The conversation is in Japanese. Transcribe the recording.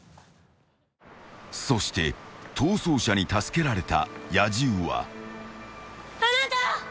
［そして逃走者に助けられた野獣は］あなた。